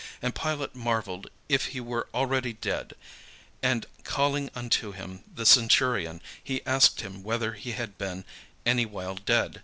And Pilate marvelled if he were already dead: and calling unto him the centurion, he asked him whether he had been any while dead.